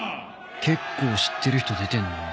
結構知ってる人出てんな